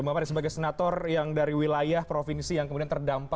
mbak mari sebagai senator yang dari wilayah provinsi yang kemudian terdampak